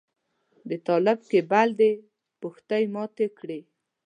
د طالب کيبل دې پښتۍ ماتې کړې.